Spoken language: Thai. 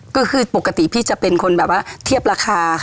ก็คือปกติพี่จะเป็นคนแบบว่าเทียบราคาค่ะ